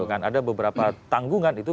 ada beberapa tanggungan itu